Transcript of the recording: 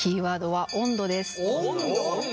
温度？